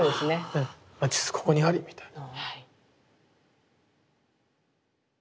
ここにありみたいな。